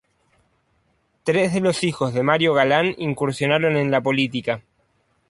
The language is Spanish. Tres de los hijos de Mario Galán incursionaron en la política.